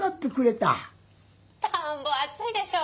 「たんぼあついでしょ。